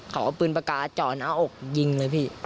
เขาก็ปืนปากกาจ่อนเอาออกยิงเลยพี่